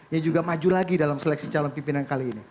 yang juga maju lagi dalam seleksi calon pimpinan kali ini